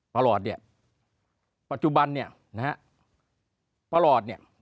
หลอดเนี่ยปัจจุบันเนี่ยนะฮะประหลอดเนี่ย